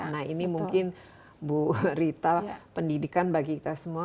nah ini mungkin bu rita pendidikan bagi kita semua